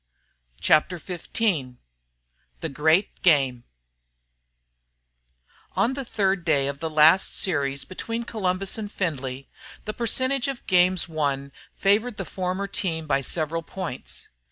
CHAPTER XV THE GREAT GAME On the third day of the last series between Columbus and Findlay, the percentage of games won favored the former team by several points.